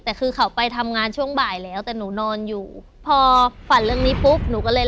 แต่คือเขาไปทำงานช่วงบ่ายแล้วแต่เหน่นนอนอยู่พอฝันวันนี่ปุ๊บ